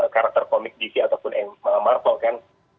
karakter komik dc ataupun marvel kan